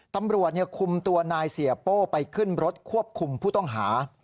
ตำรวจคุมตัวนายเสียโป้ไปขึ้นรถควบคุมผู้ต้องหา